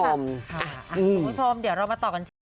คุณผู้ชมเดี๋ยวเรามาต่อกันที่